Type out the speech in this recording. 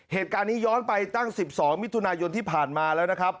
เหตุการณ์นี้ย้อนไปตั้ง๑๒มิถุนายนที่ผ่านมาแล้วนะครับ